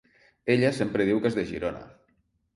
Ella sempre diu que és de Girona.